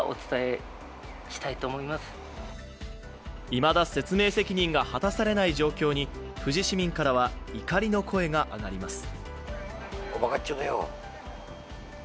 いまだ説明責任が果たされない状況に富士市民からは怒りの声が上がります。